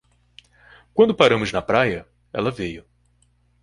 Quando paramos na praia, ela veio.